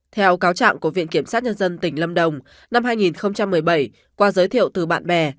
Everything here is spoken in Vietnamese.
theo cáo trạng của viện kiểm sát nhân dân tỉnh lâm đồng năm hai nghìn một mươi bảy qua giới thiệu từ bạn bè